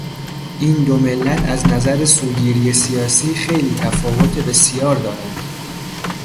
این دو ملت از نظر سوگیری سیاسی خیلی تفاوت بسیار دارند.